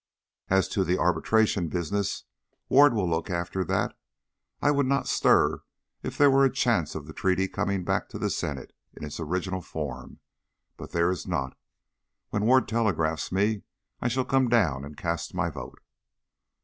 As to the Arbitration business, Ward will look after that. I would not stir if there were a chance of the Treaty coming back to the Senate in its original form, but there is not. When Ward telegraphs me I shall come down and cast my vote."